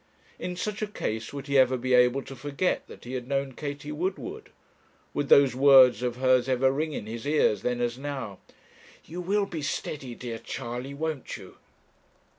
In such a case would he ever be able to forget that he had known Katie Woodward? Would those words of hers ever ring in his ears, then as now 'You will be steady, dear Charley; won't you?'